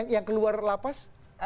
yang keluar lapas